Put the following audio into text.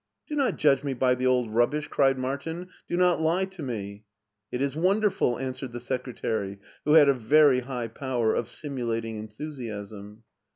" Do not judge me by the old rubbish," cried Mar tin; " do not lie to me," '" It is wonderful," answered the secretary, who had a very high power of simulating enthusiasm.